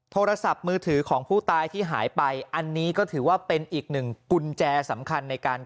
โทรศัพท์มือถือของผู้ตายที่หายไปอันนี้ก็ถือว่าเป็นอีกหนึ่งกุญแจสำคัญในการ